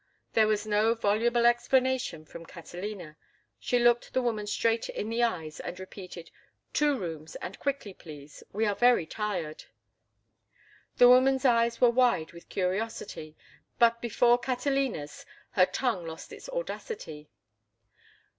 There was no voluble explanation from Catalina. She looked the woman straight in the eyes and repeated, "Two rooms, and quickly, please; we are very tired." The woman's eyes were wide with curiosity, but before Catalina's her tongue lost its audacity.